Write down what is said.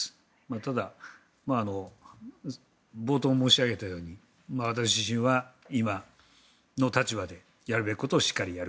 ただ、冒頭申し上げたように私自身は今の立場でやるべきことをしっかりやる。